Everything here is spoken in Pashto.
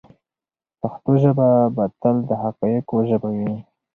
پښتو ژبه به تل د حقایقو ژبه وي.